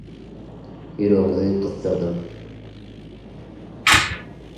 ýüregiňizi gysdyrdym.